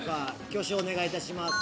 挙手お願いいたします。